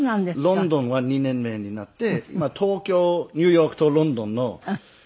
ロンドンは２年目になって今東京ニューヨークとロンドンの。